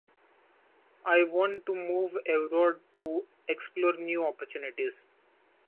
I want to move abroad to explore new opportunities.